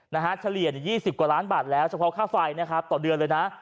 เฉลี่ย๒๐กว่าล้านบาทแล้วเฉพาะค่าไฟนะครับต่อเดือนเลยนะ